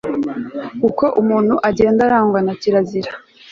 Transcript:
uko umuntu agenda arangwa na kirazira